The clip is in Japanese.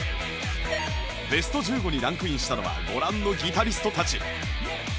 ベスト１５にランクインしたのはご覧のギタリストたち